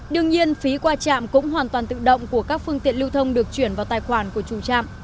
đương nhiên phí qua trạm cũng hoàn toàn tự động của các phương tiện lưu thông được chuyển vào tài khoản của chủ chạm